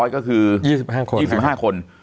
๕๐๐ก็คือ๒๕คน